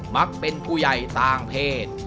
มักเป็นผู้ใหญ่ต่างเพศ